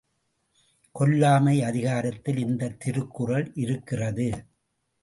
கொல்லாமை அதிகாரத்தில் இந்தத் திருக்குறள் இருக்கிறது?